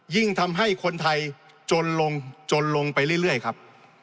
ยิ่งทำให้คนไทยจนลงจนลงไปเรื่อยครับ